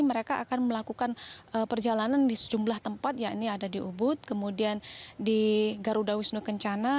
mereka akan melakukan perjalanan di sejumlah tempat ya ini ada di ubud kemudian di garuda wisnu kencana